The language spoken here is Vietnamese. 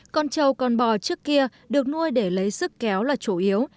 con trâu con bò trước kia được nuôi để lấy sức kéo là chủ yếu